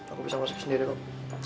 aku bisa masuk sendiri kok